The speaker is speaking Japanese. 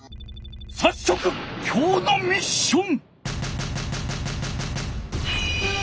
さっそくきょうのミッション！